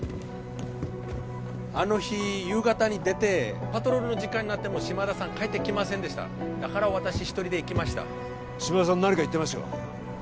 あの日夕方に出てパトロールの時間になっても島田さん帰ってきませんでしただから私一人で行きました島田さん何か言ってましたか？